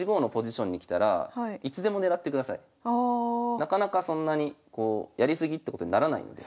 なかなかそんなにやり過ぎってことにならないんで。